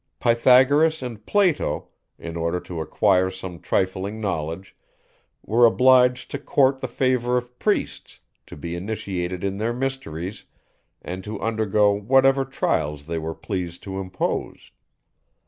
Pythagoras and Plato, in order to acquire some trifling knowledge, were obliged to court the favour of priests, to be initiated in their mysteries, and to undergo whatever trials they were pleased to impose.